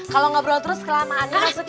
kalau gak berulang terus kelamaan ya masukin